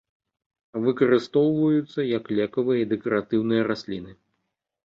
Выкарыстоўваюцца як лекавыя і дэкаратыўныя расліны.